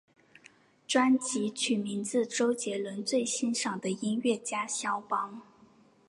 专辑取名自周杰伦最欣赏的音乐家萧邦。